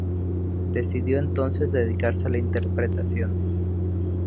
Decidió entonces dedicarse a la interpretación.